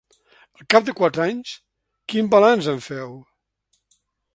Al cap de quatre anys, quin balanç en feu?